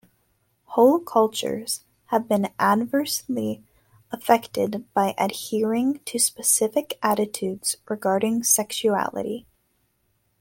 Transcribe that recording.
Whole cultures have been adversely affected by adhering to specific attitudes regarding sexuality.